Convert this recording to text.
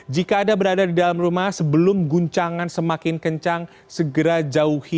jika anda berada di dalam rumah sebelum guncangan semakin kencang segera jauhi